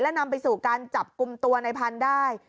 นำไปสู่การจับกลุ่มตัวในพันธุ์ได้